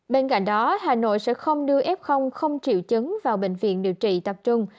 bên cạnh đó hà nội sẽ không đưa f không triệu chứng vào bệnh viện điều trị tập trung